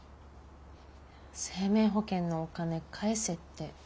生命保険のお金返せって。